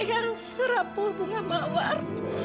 kamu bilang eang serabu bunga mawar